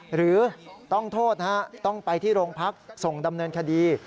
หรือต้องโทษนะฮะต้องไปที่โรงพักส่งดำเนินคดี